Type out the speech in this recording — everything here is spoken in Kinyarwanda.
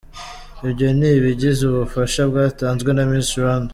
Ibyo ni ibigize ubufasha bwatanzwe na Miss Rwanda.